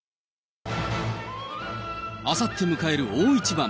あさって迎える大一番。